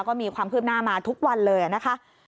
ก็มีความคืบหน้ามาทุกวันเลยนะคะ